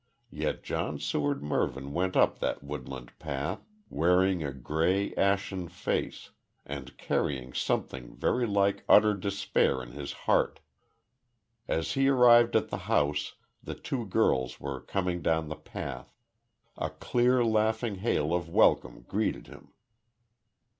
Yet John Seward Mervyn went up that woodland path wearing a grey, ashen face, and carrying something very like utter despair in his heart. As he arrived at the house, the two girls were coming down the path. A clear, laughing hail of welcome greeted him.